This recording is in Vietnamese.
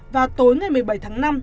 vào tối ngày một mươi bảy tháng năm